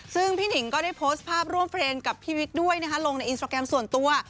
ซึ่งพี่หนิงก็ได้โพสต์ภาพร่วมเฟรนด์กับพี่วิกด้วยนะคะลงในอินสตราแกรมส่วนตัว